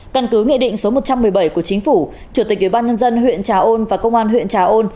căn cứ nghị định số một trăm một mươi bảy của chính phủ chủ tịch ủy ban nhân dân huyện trà ôn và công an huyện trà ôn